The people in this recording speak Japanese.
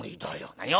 「何を？」。